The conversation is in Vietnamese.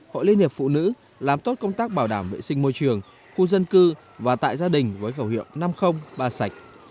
hội liên hiệp phụ nữ làm tốt công tác bảo đảm vệ sinh môi trường khu dân cư và tại gia đình với khẩu hiệu năm trăm linh ba sạch